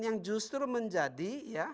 yang justru menjadi